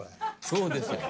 そうですよ。